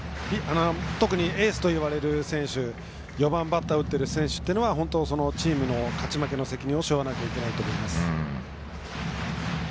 特にエースといわれる選手４番バッターを打っている選手というのはそのチームの勝ち負けの責任を背負わなければいけません。